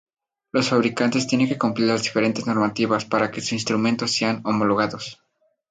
Los fabricantes tienen que cumplir las diferentes normativas para que sus instrumentos sean homologados.